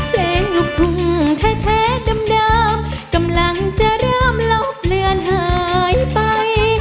เพลงลูกทุ่งแท้เดิมกำลังจะเริ่มลบเลือนหายไป